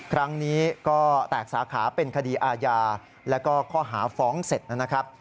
ครั้งนี้ก็แตกสาขาเป็นคดีอาญาแล้วก็ข้อหาฟ้องเสร็จนะครับ